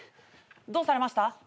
どうされました？